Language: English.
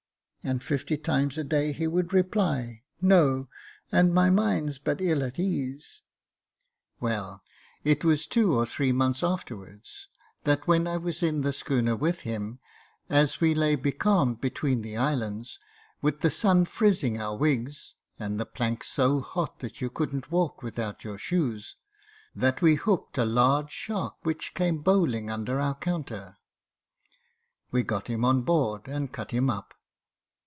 ' And fifty times a day he would reply, * No J and my mind's but ill at ease^ Well, it was two or three months afterwards, that when I was in the schooner with him, as we lay becalmed between the islands, with the sun frizzing our wigs, and the planks so hot that you couldn't walk without your shoes, that we hooked a large shark which came bowling under our counter. We got him on board and cut him up.